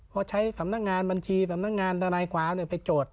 พอใช้สำนักงานบัญชีสำนักงานดาลัยขวาไปจด